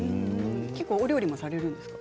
結構、お料理もされるんですか？